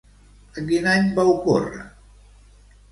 A quin any va ocórrer?